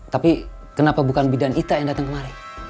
tapi kenapa bukan bidan ita yang datang kemari